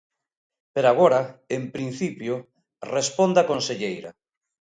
Pero agora, en principio, responde a conselleira.